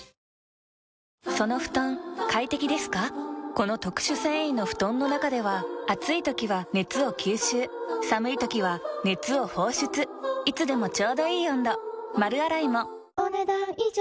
この特殊繊維の布団の中では暑い時は熱を吸収寒い時は熱を放出いつでもちょうどいい温度丸洗いもお、ねだん以上。